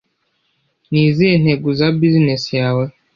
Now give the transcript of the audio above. Ni izihe ntego za business yawe